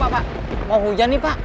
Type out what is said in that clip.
mau hujan nih pak